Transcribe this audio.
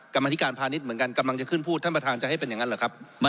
กรรมธิการพาณิชย์เหมือนกันกำลังจะขึ้นพูดท่านประธานจะให้เป็นอย่างนั้นเหรอครับ